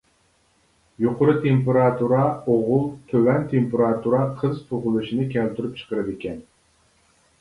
يۇقىرى تېمپېراتۇرا ئوغۇل، تۆۋەن تېمپېراتۇرا قىز تۇغۇلۇشنى كەلتۈرۈپ چىقىرىدىكەن.